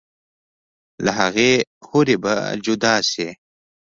لۀ هغې حورې به جدا شي